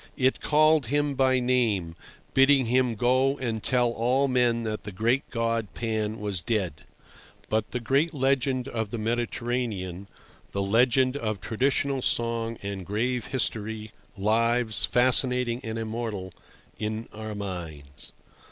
It called him by name, bidding him go and tell all men that the great god Pan was dead. But the great legend of the Mediterranean, the legend of traditional song and grave history, lives, fascinating and immortal, in our minds.